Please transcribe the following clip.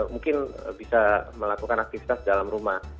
mungkin bisa melakukan aktivitas dalam rumah